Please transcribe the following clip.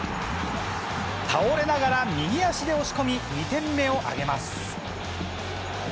倒れながら右足で押し込み２点目を挙げます。